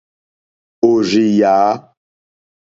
Òrzì jǎ.